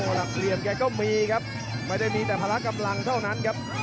หลักเหลี่ยมแกก็มีครับไม่ได้มีแต่ภาระกำลังเท่านั้นครับ